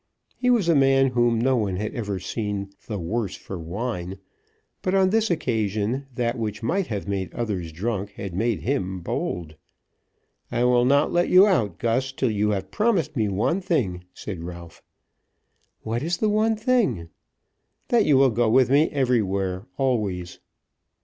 He was a man whom no one had ever seen the "worse for wine;" but on this occasion that which might have made others drunk had made him bold. "I will not let you out, Gus, till you have promised me one thing," said Ralph. "What is the one thing?" "That you will go with me everywhere, always."